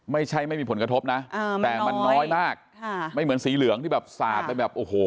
ไม่มีผลกระทบนะแต่มันน้อยมากค่ะไม่เหมือนสีเหลืองที่แบบสาดไปแบบโอ้โห